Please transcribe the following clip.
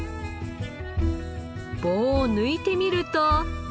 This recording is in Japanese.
棒を抜いてみると。